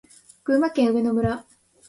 群馬県上野村